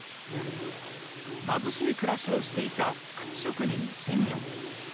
貧しい暮らしをしていた靴職人のセミヨン。